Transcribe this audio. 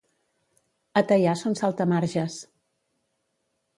A Teià són saltamarges.